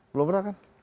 belum pernah kan